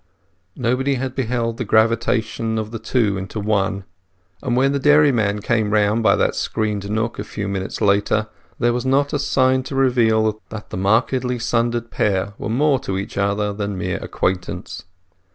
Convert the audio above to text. Nobody had beheld the gravitation of the two into one; and when the dairyman came round by that screened nook a few minutes later, there was not a sign to reveal that the markedly sundered pair were more to each other than mere acquaintance.